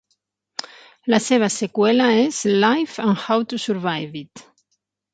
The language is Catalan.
La seva seqüela és "Life and How to Survive It".